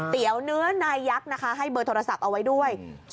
เตี๋ยวเนื้อนายักษ์นะคะให้เบอร์โทรศัพท์เอาไว้ด้วย